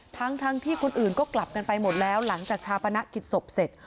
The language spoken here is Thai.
ทั้งที่คนอื่นก็กลับกันไปหมดแล้วหลังจากชาปนกิจศพเสร็จ